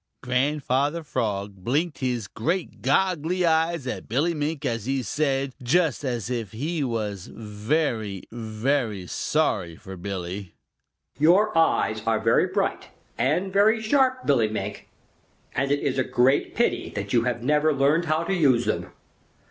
Grandfather Frog blinked his great goggly eyes at Billy Mink as he said, just as if he was very, very sorry for Billy, "Your eyes are very bright and very sharp, Billy Mink, and it is a great pity that you have never learned how to use them.